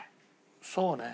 そうね。